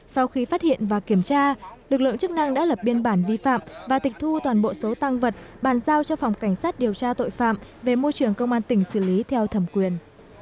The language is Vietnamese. sau khi phát hiện và kiểm tra lực lượng chức năng đã lập biên bản vi phạm và tịch thu toàn bộ số tăng vật bàn giao cho phòng cảnh sát điều tra tội phạm về môi trường công an tỉnh xử lý theo thẩm quyền